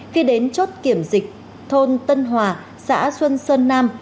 khi đến chốt kiểm dịch thôn tân hòa xã xuân sơn nam